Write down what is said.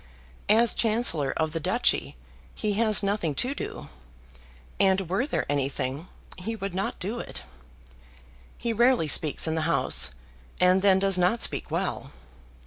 As Chancellor of the Duchy he has nothing to do, and were there anything, he would not do it. He rarely speaks in the House, and then does not speak well.